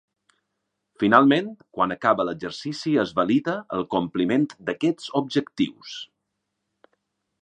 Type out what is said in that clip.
Finalment, quan acaba l'exercici es valida el compliment d'aquests objectius.